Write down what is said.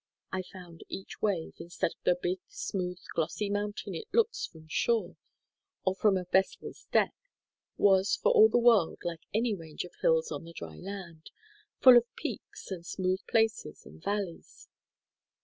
I found each wave, instead of the big, smooth, glossy mountain it looks from shore, or from a vessel's deck, was for all the world like any range of hills on the dry land, full of peaks and smooth places and valleys.